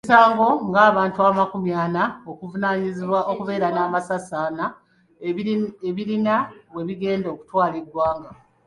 Emisango ng‘abantu amakumi ana okuvunaanibwa okubeera n'amasasi anat ebirina we bigenda kutwala ggwanga .